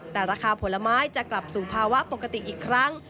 แต่ราคาผลไม้จะกลับสู่ภาวะปกติอีกครั้ง